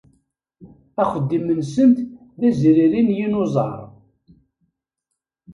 Axeddim-nsent d azriri n yinuẓar.